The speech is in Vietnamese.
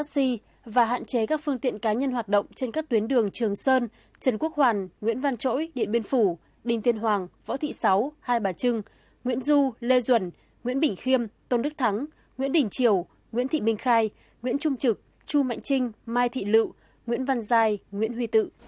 c và hạn chế các phương tiện cá nhân hoạt động trên các tuyến đường trường sơn trần quốc hoàn nguyễn văn trỗi điện biên phủ đinh tiên hoàng võ thị sáu hai bà trưng nguyễn du lê duẩn nguyễn bình khiêm tôn đức thắng nguyễn đình triều nguyễn thị minh khai nguyễn trung trực chu mạnh trinh mai thị lự nguyễn văn giai nguyễn huy tự